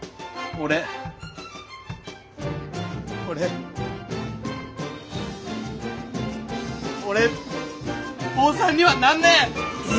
俺坊さんにはなんねえ！